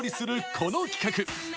この企画。